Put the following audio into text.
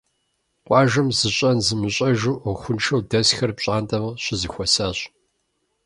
Къуажэм зыщӀэн зымыщӀэжу, Ӏуэхуншэу дэсхэр пщӀантӀэм щызэхуэсащ.